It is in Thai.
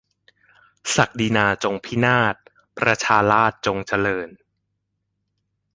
ศักดินาจงพินาศ ประชาราษฎร์จงเจริญ